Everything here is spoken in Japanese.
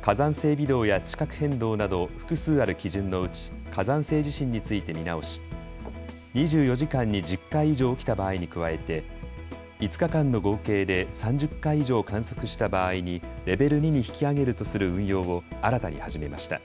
火山性微動や地殻変動など複数ある基準のうち火山性地震について見直し、２４時間に１０回以上起きた場合に加えて５日間の合計で３０回以上観測した場合にレベル２に引き上げるとする運用を新たに始めました。